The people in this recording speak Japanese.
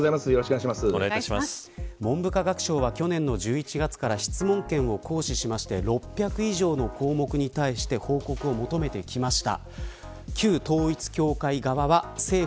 文部科学省は去年の１１月から質問権を行使して６００以上の項目に対して報告を求めてきました。